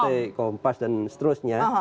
deteik kompas dan seterusnya